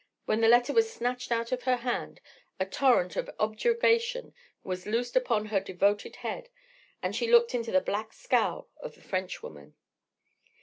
—when the letter was snatched out of her hand, a torrent of objurgation was loosed upon her devoted head, and she looked into the black scowl of the Frenchwoman.